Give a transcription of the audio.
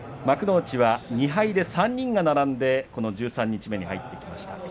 幕内では２敗で３人が並んでこの十三日目に入ってきました。